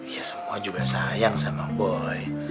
ya semua juga sayang sama boleh